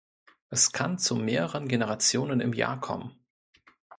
Es kann zu mehreren Generationen im Jahr kommen.